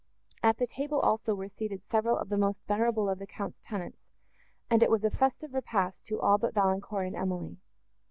At the table also were seated several of the most venerable of the Count's tenants, and it was a festive repast to all but Valancourt and Emily.